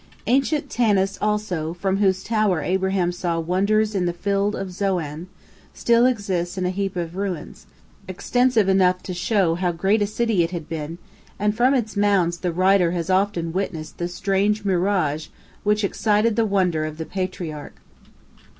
Ancient Tanis also, from whose tower Abraham saw "wonders in the field of Zoan," still exists in a heap of ruins, extensive enough to show how great a city it had been, and from its mounds the writer has often witnessed the strange mirage which excited the wonder of the patriarch.